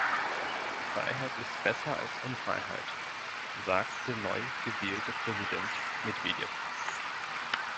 Freiheit ist besser als Unfreiheit, sagte der neu gewählte Präsident Medwedjew.